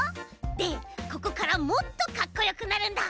でここからもっとかっこよくなるんだ。